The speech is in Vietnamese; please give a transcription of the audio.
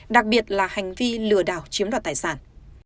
đặc biệt là hành vi lừa đảo chiếm đoạt tài sản